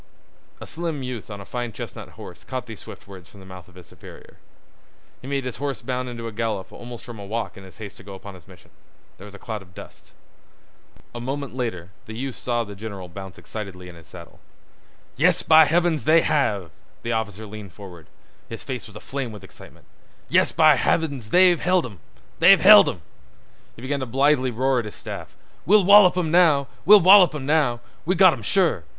A slim youth on a fine chestnut horse caught these swift words from the mouth of his superior. He made his horse bound into a gallop almost from a walk in his haste to go upon his mission. There was a cloud of dust. A moment later the youth saw the general bounce excitedly in his saddle. "Yes, by heavens, they have!" The officer leaned forward. His face was aflame with excitement. "Yes, by heavens, they've held 'im! They've held 'im!" He began to blithely roar at his staff: "We'll wallop 'im now. We'll wallop 'im now. We've got 'em sure."